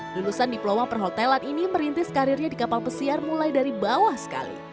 lulusan diploma perhotelan ini merintis karirnya di kapal pesiar mulai dari bawah sekali